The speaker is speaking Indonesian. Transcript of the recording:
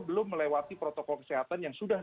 belum melewati protokol kesehatan yang sudah